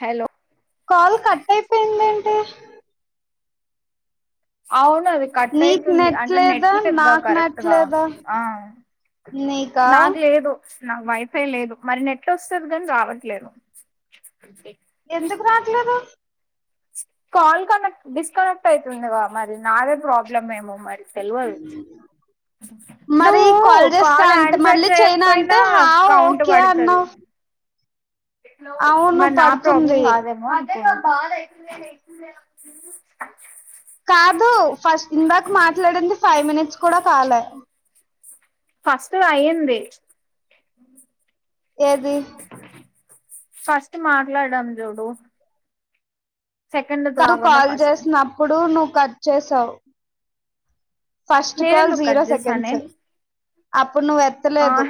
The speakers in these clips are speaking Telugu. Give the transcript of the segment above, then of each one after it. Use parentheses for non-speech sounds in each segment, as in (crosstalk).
హలో కల్ కట్ ఉ అయిపోయిందేంటి అవును అది కట్ నీకు అవుతుంది నెట్ అంటే లేదా నెట్లేదుగా నాకు నెట్ కరెక్ట్గా లేదా ఆ నీకా నాకు లేదు నాకు వైఫై లేదు మరి నెట్లు వస్తుది కాని రావట్లేదు ఎందుకు రాట్లేదు కాల్ కనెక్ట్ డిస్కనెక్ట్ అవుతుందిగా మరి నాదే ప్రాబ్లమ్ ఏమో మరి తెల్వదు మరి నువ్వు చేస్తా కాల్ అంటే ఆన్సర్ మళ్ళీ చేయనా అంటే చేయకపోయినా హా కౌంట్ ఓకే పడుతుంది అన్నావు హలో అవును మరి నా ప్రాబ్లం పడుతుంది కాదేమో బాగాయి కాదు ఫస్ట్ ఇందాక మాట్లాడింది ఫైవ్ మినిట్స్ కూడా కాలే ఫస్ట్ అయంది ఏది ఫస్ట్ మాట్లాడాం చూడు సెకండ్ది కను కాకుండా కాల్ ఫస్ట్ చేసినప్పుడు ను కట్ చేసావ్ ఫస్ట్ కాల్ నేనెందుకు జీరో కట్ సెకండ్స్ చేశానే అప్ అప్పుడు నువ్ ఆ ఎత్తలేదు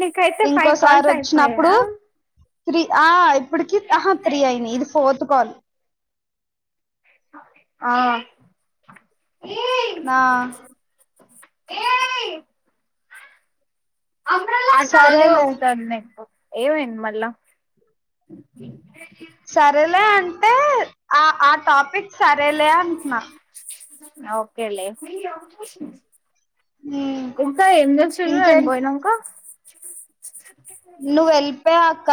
నీకైతే ఫైవ్ ఇంకోసారి కాల్స్ వచ్చినప్పుడు అయిపోయా త్రీ ఆ ఇప్పటికి ఆహా త్రీ అయినాయి ఇది ఫోర్త్ కాల్ ఆ నా అట్లనే సరేలే వస్తాను నేను ఏమైంది మళ్ళా సరేలే అంటే ఆ ఆ టాపిక్ సరేలే అంటన్నా ఓకేలే హ్మ్ ఇంకా ఎందుకు చెయ్ నేను పోయినాంకా నువ్ ఎల్పోయాక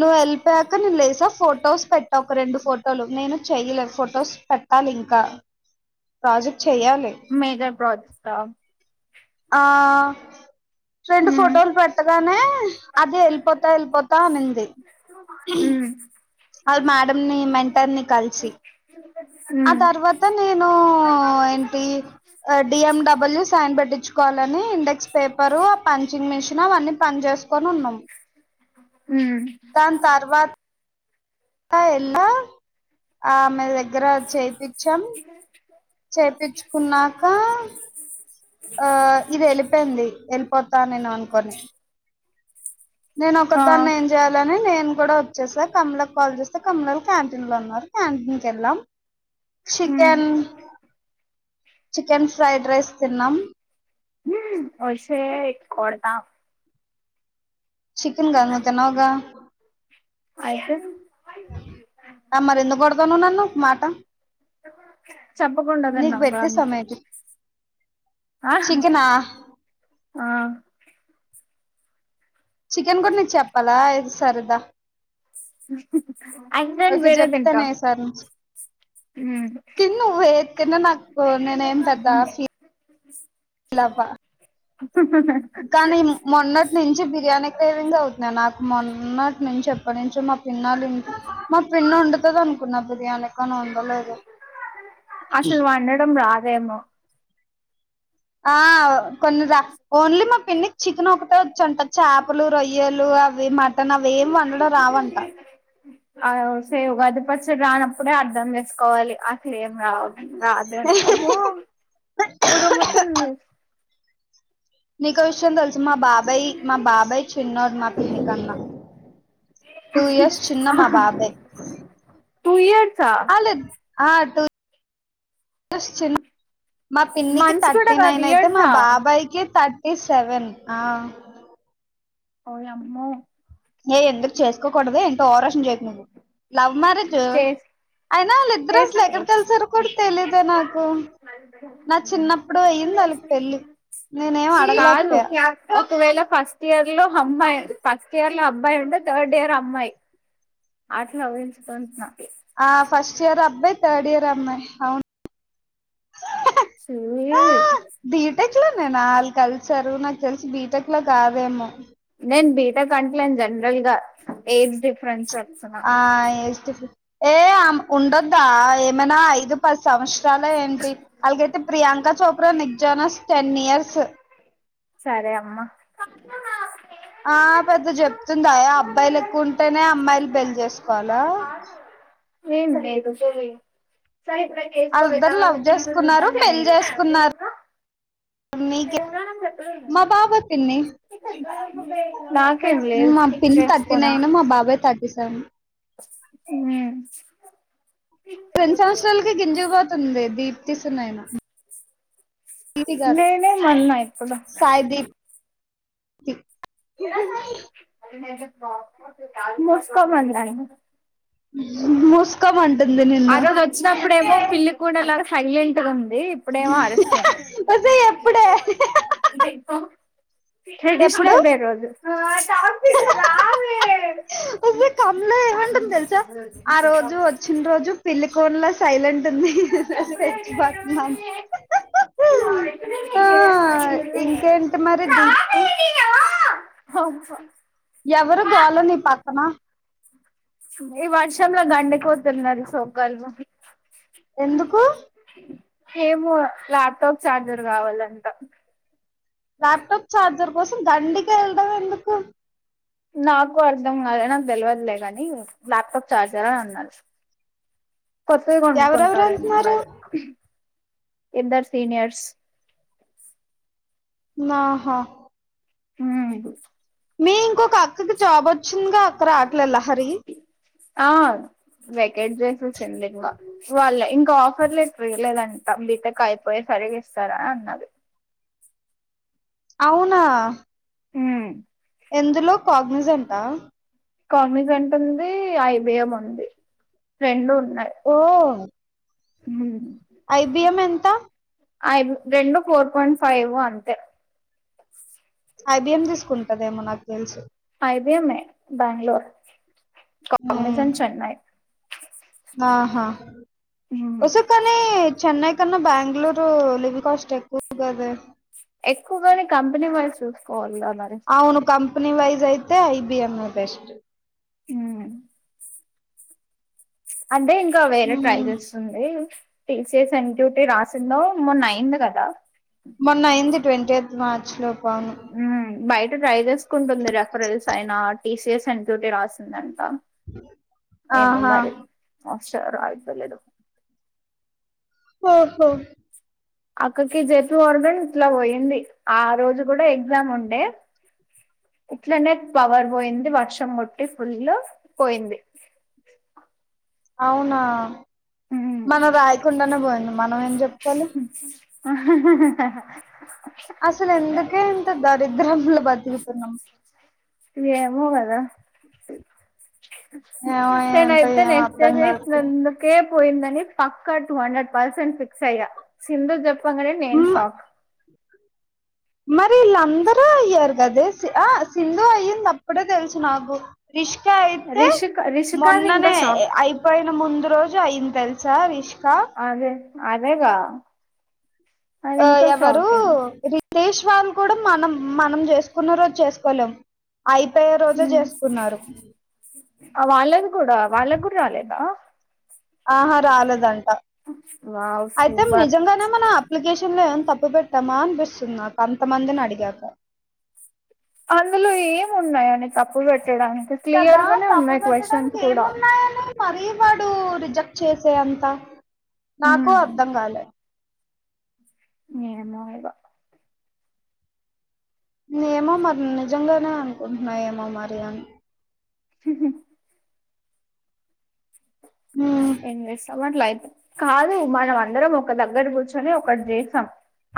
నువ్ ఎల్పోయాక నేను లేచా ఫోటోస్ పెట్ ఒక రెండు ఫోటోలు నేను చెయలే ఫొటోస్ పెట్టాలి ఇంకా క ప్రాజెక్ట్ చెయ్యాలి (unintelligible) కా ఆ రెండు మ్మ్ ఫోటోలు పెట్టగానే అదే వెళ్ళిపోతా వెళ్ళిపోతా అనింది మ్మ్ ఆన్ మా మీ మెంటార్ ని కలిసి ఆ మ్మ్ తర్వాత నేను ఏంటి D M W (unintelligible) కోవాలని index paper ఆ పంచింగ్ మిషన్ అవన్నీ పని చేసుకొని ఉన్నాము. మ్మ్ దాన్ తర్వాత్ క ఎలా ఆమే దగ్గర చేప్పించ్ చేపిచ్చుకున్నాక ఆ ఇది వెలిపోయింది వెళ్ళిపోతా నేను అనుకోని నేను ఒక ఆ దాన్ని ఏం చేయ్యాలని నేను కూడా వచ్చేసా కమల కాల్ చేస్తే కమ్నాలు క్యాంటీన్ లో ఉన్నారు క్యాంటీన్ కి ఎళ్ళాం. మ్మ్ చికెన్. చికెన్ ఫ్రైడ్ రైస్ తిన్నాం. వేసేయ్ కొడతా. చికెన్ గ నువ్వు తినవు గ. అయితే అ మరి ఎందుకు గోడుతున్నావ్ నన్న మాట. చెప్పకుండ నీకు తిన్నావు గా పెట్టేస్తా అంతే. మేబీ ఆహ చికెనా ఆ. చికెన్ కూడా నేను చెప్పాలా ఏది సరదా. అయితే నేను ఓకే వేరే తింటా చెప్తానే ఈసారి, మ్మ్ తివ్ నువ్వు ఎ తిన్న నాకు నేనే ఏం పెద్దా ఫీ. లవ్వ. కానీ మొన్నటి నుంచి బిర్యానీ. రేవింగ్ అవుతున్నాయి నాకు, మొన్నటి నుంచి ఎప్పటి నుంచో మక్. తిన్నాలి ఇంటి మా పిన్నడుతదనుకున్న బిర్యానీ కాని ఒండలేదు. అసలు వండడం రాదేమో ఆ కొన్ని రా ఓన్లీ మా పిన్నికి చికెన్ ఒకటే వొచ్చాంటా. చేపలు రొయ్యలు అవి మటన్ అవి ఏమి వండడం రావంట. అ సేవ్ ఉగాది పచ్చడి రానప్పుడే అర్ధం చేసుకోవాలి అట్లే ఏం రావు. ఆమ్మో ఉరుముతుంది. నీకో విషయం తెల్. మా బాబాయ్ మా బాబాయ్ చిన్నాడు మా పిన్ని కన్నా టూ ఇయర్స్ చిన్న మా బాబాయ్ తూయర్. అలెద్. (inaudible) చిన్న మా పిన్నికి మంత్స్ కూడా థట్టి కాదు నైన్ అయితే మా ఇయర్సా బాబాయ్కి థ. ఈ సెవెన్ ఆ. ఓయమ్మో. ఎ ఎందుకు చెస్. ఎక్కకూడది ఏంటో, ఓరషన్ చేతుంది, లవ్ మ్యారేజు, చేస్ అయినా వాళ్ళ ఇద్దరు అసలు ఎక్కడ చేసుకోవచ్చు కలిసారో కూడా తెలీదే నాకు, నా చిన్నప్పుడు అయింది ఆళ్లకు పెళ్లి, నేనే ఏం కాదు అడగలేకపోయా. ఒకవేళ ఫస్ట్ ఇయర్ లో అమ్మాయి ఫస్ట్ ఇయర్ లో అబ్బాయి ఉండే థడ్ ఇయర్ అ. అమ్మాయి ఆట్ల ఊహించుకున్నది ఆ ఫస్ట్ ఇయర్ అబ్బాయి, థర్డ్ ఇయర్ అమ్మాయి అవున్ సయే టెక్ లో నేనాళ్ళు కలిసారు, నాకు తెలిసి బీటెక్ లో కాదేమో. నేన్ బీటెక్ కంట్లేన్ జనరల్గా, ఏజ్ డిఫరెన్స్ వస్తున్నా ఆ ఏ ఏ ఆమకు ఉండద్దా, ఏమైన్న ఐదు పది సంవత్ చాల ఏంటి, అలాగైతే Priyanka Chopra Nick Jonas ten years. సరే అమ్మ. ఆ పెద్ద చెప్తుందాయ అబ్బాయిలు ఎక్కువ ఉంటేనే, అమ్మాయిలు పెల్ చేసుకోవాలా? ఏం ఎం (unintelligible) సహ కేసుకు వాళ్ళిద్దరు లవ్ వతారా్యధ చేసుకున్నారు పెళ్లి మీరు చేసుకున్నారు ఉ మీరు నీకే ఉన్నా మా బాబ పిన్ని, నాకేం లేదు మా పిన్ని థర్టీ చేసుకున్నా నైన్ మా బాబాయ్ థర్టీ సెవెన్. ఉమ్ రెండు సంవత్సరాలకి గింజూకు పోతుంది బేబీ తీస్తున్నాయన నేనేమన్నా ఇప్పుడు ఇ మోస్కో మన్నాయ్. మోస్ ఆరోజచ్చినప్పుడేమో పిల్లి కూన లాగ సైలెంట్ గా ఇప్పుడేమో అరుస్తుంది ఒసేయ్ ఎప్పుడే? ఎప్పుడు ట్రెడిషనల్ డే రోజు వస్తే కమ్లో చిన రోజు పిలికోన్ల సైలెంట్ ఆ ఇంకేంటి మరి దీ ఎవరు గోల నీ పక్కన ఈ వర్షంలో గండి కోడుతున్నారు సోకల్లు ఎందుకు ఏమో ల్యాప్టాప్ ఛార్జర్ కావలంట లప్టాప్ చార్జర్ కోసం దండికే ఎల్డం ఎందుకు? నాకూ అర్థం కాలె నాకు తెలియదులే గని, ల్యాప్టాప్ చార్జరా అని అన్నారు. కొత్తవి ఎవరెవరు కొనుకుంటారేమో వెళ్తున్నారు మరి ఇద్దర్ సీనియర్స్ ఆహా ఉమ్ మీ ఇంకొక అక్కకి జాబ్ వచ్చిందిగా అక్క రాట్లేదా లహరి ఆ వెకేట్ చేసిసింది ఇంకా వాళ్ళ ఇంకా ఆఫర్లు లటర్ ఈలేదంటా బీటెక్ అయిపోయే సరిగా ఇస్తారంట అవునా హ్మ్ ఎందులో కాగ్నసి ఉందా కాగ్నిజంట్ ఉంది ఐబిఎం ఉంది రెండు ఓ హ్మ్ ఐబిఎం ఎంత ఐబ్ రెండు ఫోర్ పాయింట్ ఫైవ్ అంతే ఐబిఎం తీసుకుం టదేమో నాకు తెలుసి ఐబిఎం ఏ బాంగ్లుర్ ఉమ్, కాగజాన్ చెన్నై ఆహా మ్మ్ వస కనీ చెన్నై కన్నా బెంగళూరు లివింగ్ కాస్ట్ ఎక్కువ కద ఎక్కువగాని కంపెనీ వాల్ చూసుకో ఆవును కంపనీ వైజ్ అయితే ఐబిఎం ఎ బెస్ట్ ఊమ్ అంటే ఇంకా వేరే ట్రై ఉమ్, చేస్తుంది టీసీస్ ఎంక్యూటీ రాసిందో మొన్న అయింది కదా మొన్న అయింది ట్వంటీ ఎయిత్ మార్చ్ స్లో పాను మ్మ్ బయట ట్రై చేసుకుంటుంది రెఫరెల్స్ అయిన టీసీస్ ఎన్ డ్యూటీ రాసిందండి ఆహా షరాయితలేదు ఓహో అక్కకి జతు వరగాని ఇట్లా ఒయింది ఆ రోజు కూడా ఎగ్జామ్ ఉండే ఇట్లనే పవర్ బోయింది వర్షం ముట్టి ఫుల్ పోయింది అవునా మ్మ్ మనం రాయకుండానే పోయింది మనం ఏం జెప్పలి ఆహ్ హ హ త దరిద్రం లో ఏమో గద ఏమో ఏంటో నేనైతే ఏం నెక్స్ట్ అర్థం కావట్లే జనరేషనందుకే పోయిందని పక్క టూ హండ్రెడ్ పర్సెంట్ ఫిక్స్ అయ్యా సింధు చెప్పు పంగానే నేన్ మ్మ్ షాక్ అదే ఆ సింధు అయ్యింది అప్పుడే తెలుసు నాకు ఇష్కా అయితే రిషిక రిషికాది ఇంకా మొన్ననే షాక్ అయిపోయిన ముందు రోజు జ అయిన్ తెల్సా రిష్ అదే అదేగా అది ఆ ఇంకా ఎవరు షాకింగ్ రితీష్ వాళ్లు కూడా మనం మనం జేసుకున్న రోజు చేసుకోలేం అయిపోయే రోజే మ్ చేసుకున్నారు వాళ్ళది కూడా వాళ్ళకు కూడా రాలేదా ఆహా రాలేదంట వావ్ అయితే సూపర్ నిజంగానే మన అప్లికేషన్ ఏం తప్పు బెట్టామా అనిపిస్తుంది నాకు అంతమందిని అడిగాక అందులో ఏం ఉన్నాయని తప్పు పెట్ డానికి కదా క్లియర్ గానే తప్పు ఉన్నాయి క్వశ్చన్స్ పెట్టడానికి కూడా ఏమున్నాయని మరీ వాడు రిజెక్ట్ చేసే అంత నాకు ఉమ్, అర్థం గాలే ఏమో ఇగ ఏమో మరి నిజంగానే అనుకుంటున్నా ఏమో మరి అని ఉహు ఉమ్, ఏం చేస్తావు లైఫ్ కాదు మనం అందరం ఒక దగ్గర కూర్చొని ఒకటి చేసాం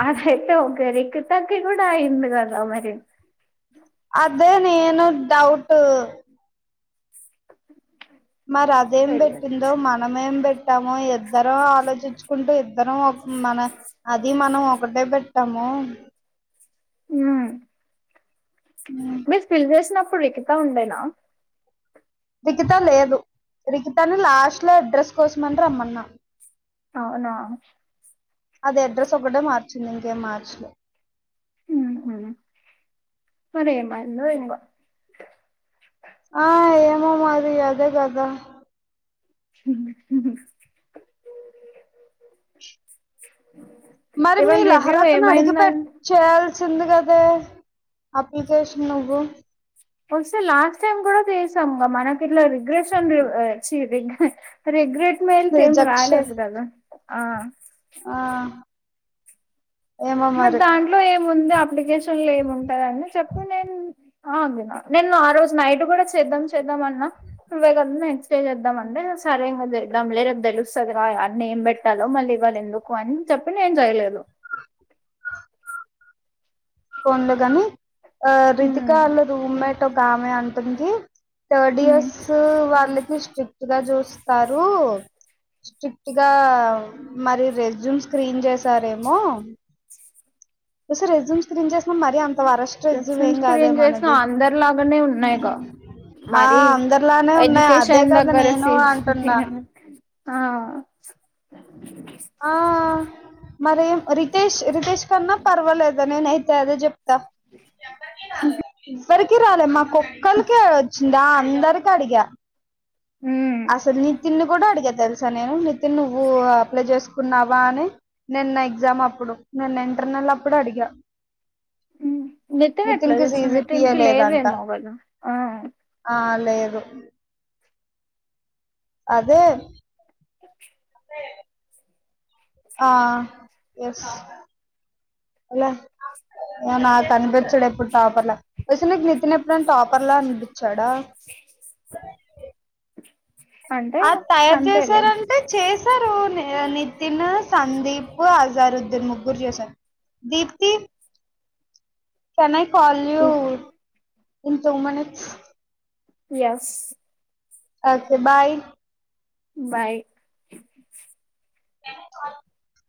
అదైతే ఒక రేకితకి కూడా అయింది కదా మరి అదే నేను డౌట్ మరి అదేం తెలియదు పెట్టిందో మనం ఏం పెట్టి పెట్టాము ఇద్దరం ఆలోచించుకుంటూ ఇద్దరం మన అది మనం ఒకటే పెట్టాము మ్మ్ ఉమ్. మీరు ఫిల్ చేసినప్పుడు రిికితా ఉండేనా రికితా లేదు రిగితాని లాస్ట్ లో అడ్రస్ కోసమని రమ్మన్నా అవునా అది అడ్రెస్ ఒకటే మార్త చింది ఇంకేం మార్చలేం హమ్ మరి ఏమి అయిందో ఏమో ఆ ఏమో మరి అదే కదా మరి మీ ఇవాళ రివ్యూ లహరక్కను అడిగి ఏమైందం చాయ్యాల్సి వచ్చింది కదే అప్లికేషన్ నువ్వు ఒకసారి లాస్ట్ టైమ్ కూడా తీసాము మనకి ఇట్లా రిగ్రెషన్ చీ రిగ్రా రిగ్రెట్ మెల్స్ ఏమ్ రాలే రిజెక్షన్ కదా ఆ ఆ మరి దాంట్లో ఏమ్ ముందే అప్లికేషన్ లేమి ఉంటందని చెప్పి నేను నేను ఆ రోజు నైట్ కూడా చేద్దాం చేద్దం అన్నా ఇవ కద నెక్స్ట్ డే చేద్దాం అంటే సరే ఇంగ రేప్ చేద్దాం లే తెలుస్తది ఎవరిని ఏం పెట్టాలో మళ్ళీ ఇవ్వాలి ఎందుకు అని చెప్పి నేను చెయలేదు ఫోన్ల కని ఆ రితికా ఉమ్ ఆల రూమ్మెట్ ఇంకోగామె అంటుంది థర్డ్ ఉమ్ ఇయర్స్ వాలకీ శి స్ట్రిక్ట్ గా చూస్తారు స్ట్రిక్ట్ గా మరి రెజ్యూమ్ స్క్రీన్ చేసారేమో ఓ సార్ వదంస్ ఇక్కడేం జెస్తున్నావ్ మరి అంత వరస్ట్రెజం ఏం ఎలక్షన్స్ కి కాదే చేసిన మనది అందరిలాగానే ఉన్నాయిగా ఆ మరి అందరిలానే ఉన్నా అదే ఎడ్యుకేషన్ కదా నేను అంటున్నా ఆహా ఆ మరియేమ్ రితేష్ రితేష్ కన్నా పర్వాలేదు నిన్నైతే అదే చెప్తా ఇవరికి రాలే మాకొక్కాలికే వచ్చిందా అందరికి అడిగా ఉమ్ అసలల్ నితిన్ ని కూడా అడిగ తెలుసా నేను నిత్ తి నువ్వు ఆప్లై జెస్ కున్నావా అని నిన్న ఎగ్జామ్ అప్పుడు నిన్న ఇంటర్నెల్ అప్పుడు అడిగా హ్మ్ నెత్తనట్లా నితిన్‌కి చేస్తాం నెత్ సీజీపీఏ ఏమ్ముక్ లేదంట లేదోమో వర ఆ పై ఆగు అదే ఆ ఏస్ అలా నా కనిపెట్ అప్పుడప్పుడ్ టాపర్లా ఓస్ నీకు నితిన్ ఎప్పుడై టాపర్ లా అనిపి చడా అంటే ఆ తయారు కంతేలే చేసారంటే చేసారు ని నిన్న సందీప్ అజారుద్దీన్ ముగ్గురు చేశారు దీప్తి పలివు నేను తొమనే ఎస్ ఓకే బాయ్ బాయ్ ఎ (unintelligible)